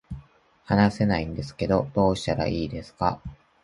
話せないんですけどどうしたらいいですか